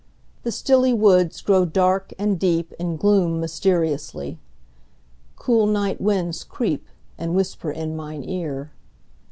The stilly woods8Grow dark and deep, and gloom mysteriously.9Cool night winds creep, and whisper in mine ear.